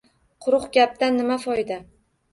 — Quruq gapdan nima foyda?